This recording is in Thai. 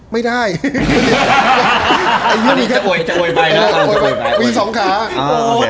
มีสองขา